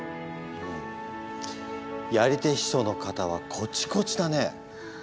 やり手秘書の肩はコチコチだね！